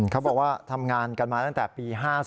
เขาบอกว่าทำงานกันมาตั้งแต่ปี๕๔